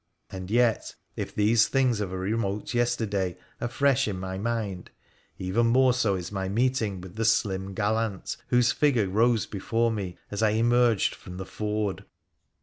And yet, if these things of a remote yesterday are fresh in my M 2 164 WONDERFUL ADVENTURES OF mind, even more so is my meeting with the slim gallant whose figure rose before me as I emerged from the ford.